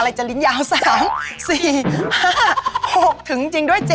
อะไรจะลิ้นยาว๓๔๕๖ถึงจริงด้วยเจน